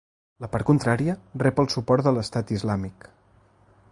La part contrària rep el suport de l'Estat Islàmic.